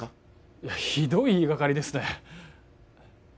いやひどい言いがかりですね